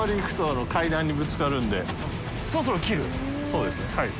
そうですねはい。